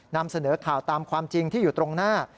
นำเสนอข่าวตามความจริงที่อยู่ตรงหน้า